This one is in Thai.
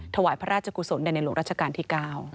ถวายพระราชกุศลแด่ในหลวงราชการที่๙